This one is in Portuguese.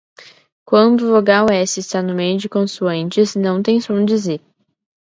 Quando vogal S está no meio de consoantes, não tem som de Z